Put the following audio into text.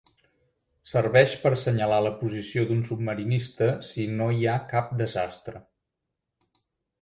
Serveix per assenyalar la posició d'un submarinista si no hi ha cap desastre.